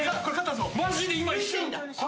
マジで今一瞬。